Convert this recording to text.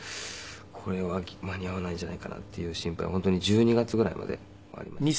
これは間に合わないんじゃないかなっていう心配は本当に１２月ぐらいまでありましたね。